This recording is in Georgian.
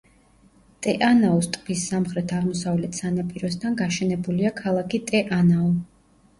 ტე-ანაუს ტბის სამხრეთ-აღმოსავლეთ სანაპიროსთან გაშენებულია ქალაქი ტე-ანაუ.